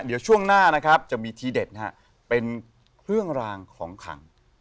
เดี๋ยวช่วงหน้านะครับจะมีทีเด็ดนะฮะเป็นเครื่องรางของขัง